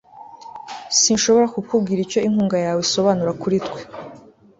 sinshobora kukubwira icyo inkunga yawe isobanura kuri twe